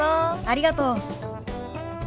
ありがとう。